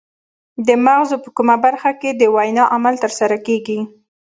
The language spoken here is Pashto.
د مغزو په کومه برخه کې د وینا عمل ترسره کیږي